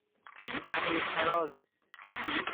امیرفراز